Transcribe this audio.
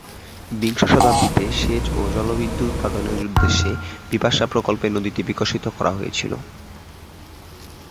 বিংশ শতাব্দীতে, সেচ ও জলবিদ্যুৎ উৎপাদনের উদ্দেশ্যে বিপাশা প্রকল্পে নদীটি বিকশিত করা হয়েছিল।